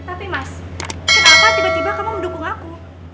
tapi mas kenapa tiba tiba kamu mendukung aku